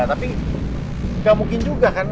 tapi nggak mungkin juga kan